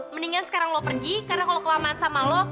mendingan sekarang lo pergi karena kalau kelamaan sama lo